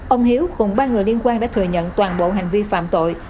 ông hiếu cùng ba người liên quan đã thừa nhận toàn bộ hành vi phạm tội